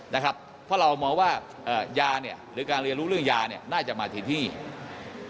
เพราะเรามองว่ายาหรือการเรียนรู้เรื่องยาน่าจะมาถึงที่นี่